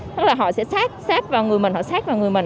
tức là họ sẽ sát sát vào người mình họ sát vào người mình